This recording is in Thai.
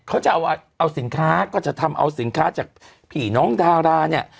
เขาจะเอาสินค้าก็จะทำเอาสินค้าจากผีน้องดาราเนี่ย